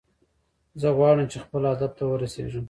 زه غواړم چې خپل هدف ته ورسیږم